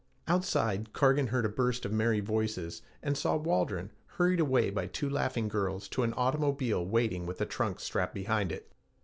Outside, Cargan heard a burst of merry voices and saw Waldron hurried away by two laughing girls to an automobile waiting with a trunk strapped behind it.